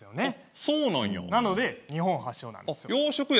なので日本発祥なんです。